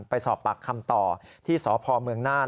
ไปสอบปากคำต่อที่สพเมืองน่าน